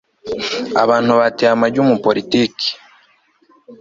abantu bateye amagi umunyapolitiki